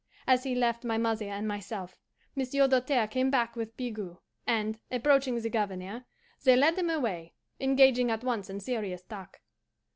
As he left my mother and myself, Monsieur Doltaire came back with Bigot, and, approaching the Governor, they led him away, engaging at once in serious talk.